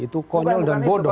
itu konyol dan bodoh